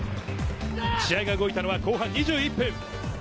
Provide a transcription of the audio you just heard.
試合が動いたのは後半２１分。